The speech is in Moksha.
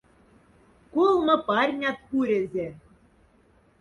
Колма парьнят пурезе.